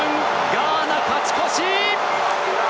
ガーナ勝ち越し！